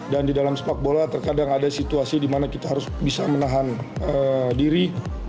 dan di dalam sepak bola terkadang ada situasi di mana kita harus bisa menahan diri